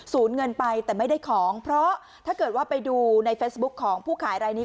เงินไปแต่ไม่ได้ของเพราะถ้าเกิดว่าไปดูในเฟซบุ๊คของผู้ขายรายนี้